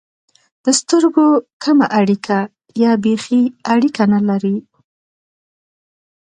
د سترګو کمه اړیکه یا بېخي اړیکه نه لري.